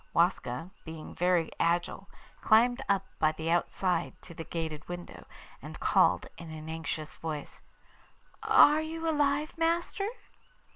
Waska, being very agile, climbed up by the outside to the grated window, and called in an anxious voice: 'Are you alive, master?